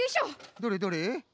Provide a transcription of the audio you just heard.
どれどれ？